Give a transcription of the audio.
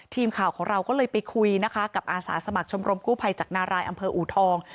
ทีมข่าวของเราก็เลยไปคุยนะคะกับอาสาสมัครชมรมกู้ภัยจากนารายอำเภออูทอง